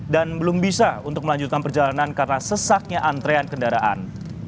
dan belum bisa untuk melanjutkan perjalanan karena sesaknya antrean kendaraan